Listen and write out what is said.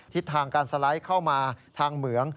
ทิศทางการสไลด์เข้ามาทางเหมือง